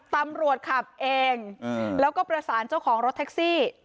ตำรวจขับเองแล้วก็ประสานเจ้าของรถแท็กซี่